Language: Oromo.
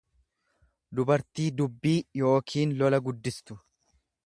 dubartii dubbii yookiin lola guddistu.